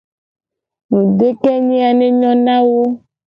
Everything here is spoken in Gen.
Ngudekenye a ne nyo na wo.